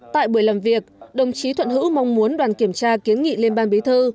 tại buổi làm việc đồng chí thuận hữu mong muốn đoàn kiểm tra kiến nghị lên ban bí thư